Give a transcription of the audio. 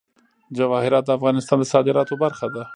جواهرات د افغانستان د صادراتو برخه ده.